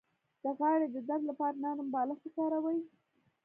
د غاړې د درد لپاره نرم بالښت وکاروئ